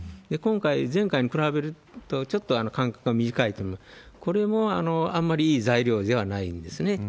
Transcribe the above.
今回、前回に比べるとちょっと間隔が短いと、これもあんまりいい材料ではないですね。